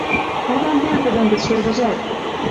Ӓвӓм вел тӹдӹн гӹц шергӹжӓт.